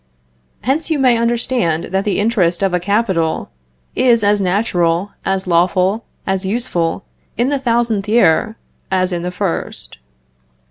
Hence you may understand, that the interest of a capital is as natural, as lawful, as useful, in the thousandth year, as in the first.